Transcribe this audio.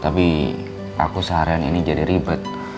tapi aku seharian ini jadi ribet